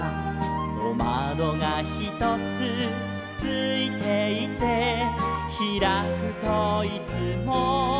「おまどがひとつついていて」「ひらくといつも」